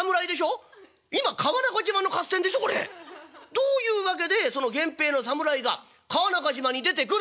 どういう訳で源平の侍が川中島に出てくるんです！？」。